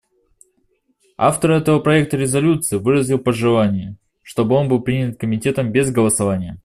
Автор этого проекта резолюции выразил пожелание, чтобы он был принят Комитетом без голосования.